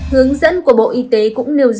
hướng dẫn của bộ y tế cũng nêu dụng